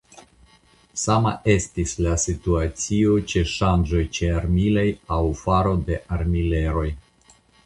Sama estis la situacio ĉe ŝanĝoj ĉearmilaj aŭ faro de armileroj.